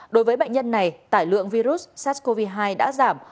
đối với bệnh nhân này tải lượng virus sars cov hai đã giảm